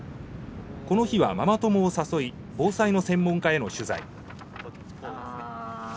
この日はママ友を誘い防災の専門家への取材。